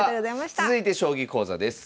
続いて将棋講座です。